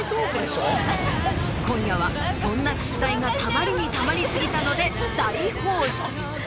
今夜はそんな失態がたまりにたまり過ぎたので大放出。